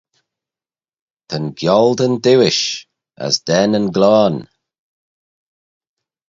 Ta'n gialdyn diuish, as da nyn gloan.